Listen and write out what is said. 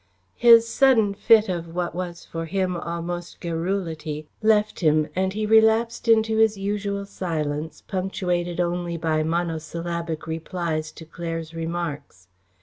His sudden fit of what was for him almost garrulity, left him and he relapsed into his usual silence, punctuated only by monosyllabic replies to Claire's remarks.